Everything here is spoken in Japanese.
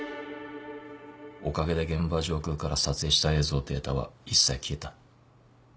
おかげで現場上空から撮影した映像データは一切消えた。